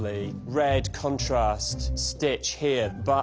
はい。